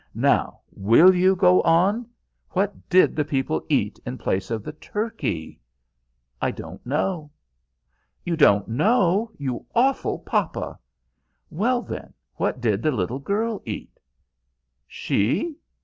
"Now, will you go on? What did the people eat in place of turkey?" "I don't know." "You don't know, you awful papa! Well, then, what did the little girl eat?" "She?"